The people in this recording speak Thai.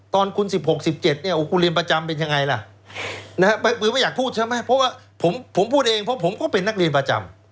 ตอนคุณ๑๖หรือ๑๗คุณเรียนประจำเป็นยังไงล่ะ